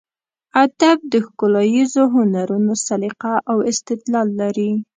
ادب د ښکلاییزو هنرونو سلیقه او استدلال لري.